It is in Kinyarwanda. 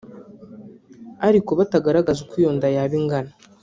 ariko batagaragaza uko iyo nda yaba ingana